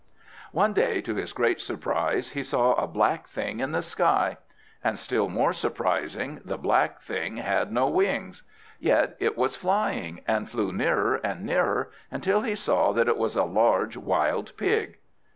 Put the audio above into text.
One day, to his great surprise, he saw a black thing in the sky; and, still more surprising, the black thing had no wings. Yet it was flying, and flew nearer and nearer, until he saw that it was a large wild pig.